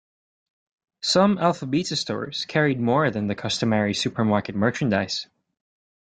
Some Alpha Beta stores carried more than the customary supermarket merchandise.